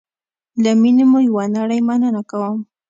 له میني مو یوه نړی مننه کوم